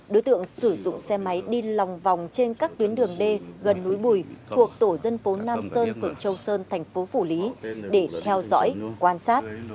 đối tượng sử dụng xe máy đi lòng vòng trên các tuyến đường d gần núi bùi thuộc tổ dân phố nam sơn phường châu sơn thành phố phủ lý để theo dõi quan sát